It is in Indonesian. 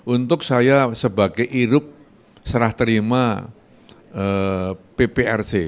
untuk saya sebagai irup serah terima pprc